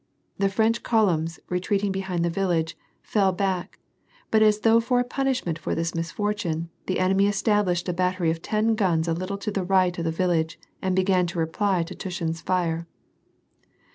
The French columns, retreating behind the village, fell hack, but as though for a punishment for this misfortune, the enemy established a battery of ten guns a little to the right of the village and began to reply to Tushin's fire.